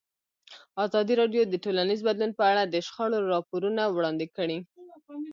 ازادي راډیو د ټولنیز بدلون په اړه د شخړو راپورونه وړاندې کړي.